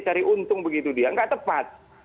cari untung begitu dia nggak tepat